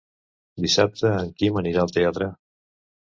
Dissabte en Quim anirà al teatre.